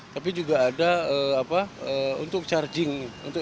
tapi juga ada untuk charging